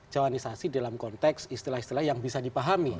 johanisasi dalam konteks istilah istilah yang bisa dipahami